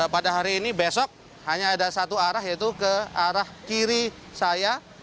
pada hari ini besok hanya ada satu arah yaitu ke arah kiri saya